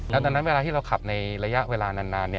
ดังนั้นเวลาที่เราขับในระยะเวลานาน